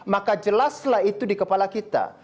maka jelaslah itu di kepala kita